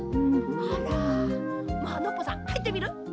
あらまあノッポさんはいってみる？